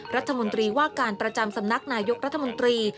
รัฐมนตรีว่าการประจำสำนักนายกรัฐมนตรี